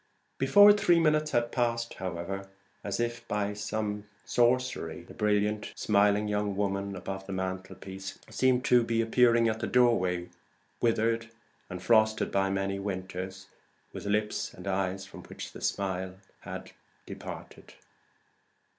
Before three minutes had passed, however, as if by some sorcery, the brilliant smiling young woman above the mantelpiece seemed to be appearing at the doorway withered and frosted by many winters, and with lips and eyes from which the smile had departed.